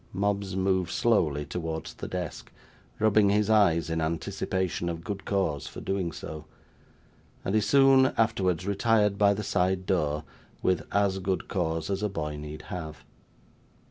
Mobbs moved slowly towards the desk, rubbing his eyes in anticipation of good cause for doing so; and he soon afterwards retired by the side door, with as good cause as a boy need have.